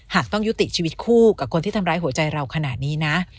ต้องยุติชีวิตคู่กับคนที่ทำร้ายหัวใจเราขนาดนี้นะ